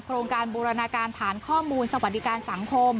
โครงการบูรณาการฐานข้อมูลสวัสดิการสังคม